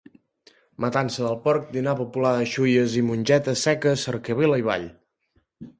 Matança del porc, dinar popular de xulles i mongetes seques, cercavila i ball.